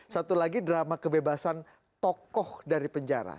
satu lagi drama kebebasan tokoh dari penjara